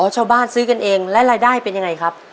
อ๋อชาวบ้านซื้อกันเองและรายได้เป็นยังไงครับ